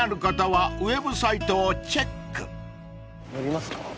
乗りますか？